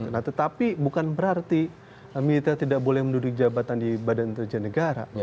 nah tetapi bukan berarti militer tidak boleh menduduki jabatan di badan intelijen negara